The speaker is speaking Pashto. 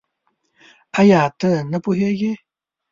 آيا ته نه پوهېږې؟